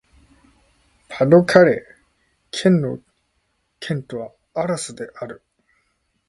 パ＝ド＝カレー県の県都はアラスである